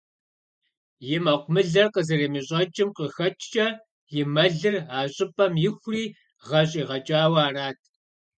И мэкъумылэр къызэремэщӏэкӏым къыхэкӏкӏэ, и мэлыр а щӏыпӏэм ихури, гъэ щӏигъэкӏауэ арат.